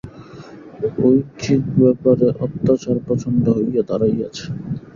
ঐহিক ব্যাপারে অত্যাচার প্রচণ্ড হইয়া দাঁড়াইয়াছে।